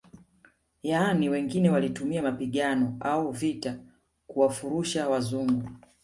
Yani wengine walitumia mapigano au vita kuwafurusha wazungu